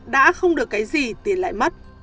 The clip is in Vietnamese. đã không được cái gì tiền lại mất